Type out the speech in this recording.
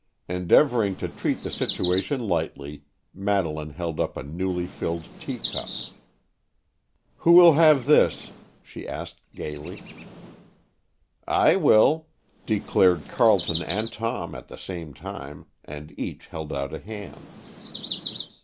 Endeavoring to treat the situation lightly, Madeleine held up a newly filled teacup. "Who will have this?" she asked gaily. "I will!" declared Carleton and Tom at the same time, and each held out a hand.